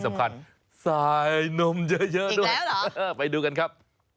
สำคัญไซร์นมเยอะด้วยอีกแล้วหรอไปดูกันครับ